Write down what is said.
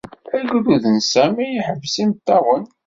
Agerrud n Sami yeḥbes imeṭṭawen.